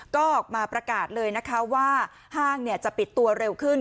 ก็ออกมาประกาศเลยนะคะว่าห้างจะปิดตัวเร็วขึ้น